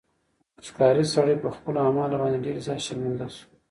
ښکاري سړی په خپلو اعمالو باندې ډېر زیات شرمنده شو.